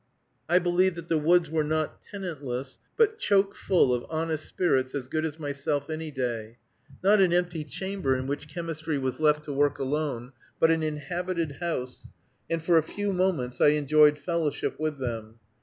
I believed that the woods were not tenantless, but choke full of honest spirits as good as myself any day, not an empty chamber, in which chemistry was left to work alone, but an inhabited house, and for a few moments I enjoyed fellowship with them.